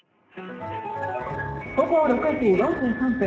午後６時４３分。